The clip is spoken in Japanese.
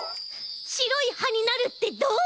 しろいはになるってどう？